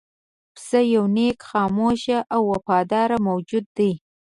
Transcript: پسه یو نېک، خاموش او وفادار موجود دی.